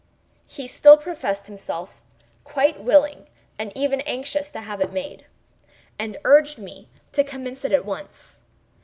He still professed himself quite willing and even anxious to have it made, and urged me to commence it at once.